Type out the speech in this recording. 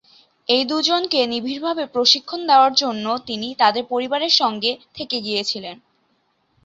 এই দুজনকে নিবিড়ভাবে প্রশিক্ষণ দেওয়ার জন্যে তিনি তাঁদের পরিবারের সঙ্গে থেকে গিয়েছিলেন।